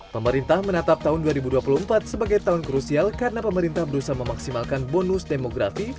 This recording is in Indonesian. pemerintah menatap tahun dua ribu dua puluh empat sebagai tahun krusial karena pemerintah berusaha memaksimalkan bonus demografi